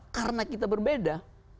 karena kita berbeda